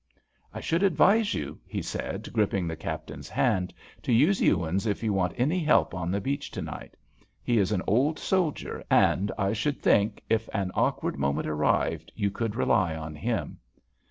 "I should advise you," he said, gripping the Captain's hand, "to use Ewins if you want any help on the beach to night. He is an old soldier, and I should think, if an awkward moment arrived, you could rely on him."